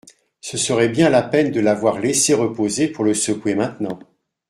Ce serait bien la peine de l’avoir laissé reposer pour le secouer maintenant.